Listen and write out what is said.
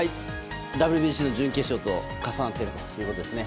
ＷＢＣの準決勝と重なっているということですね。